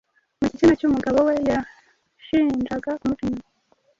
mu gitsina cy’umugabo we yashinjaga kumuca inyuma